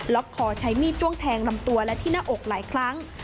คอใช้มีดจ้วงแทงลำตัวและที่หน้าอกหลายครั้ง